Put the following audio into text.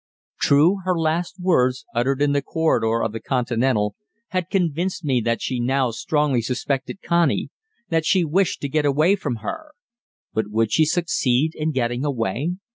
True, her last words, uttered in the corridor of the "Continental," had convinced me that she now strongly suspected Connie, that she wished to get away from her. But would she succeed in getting away?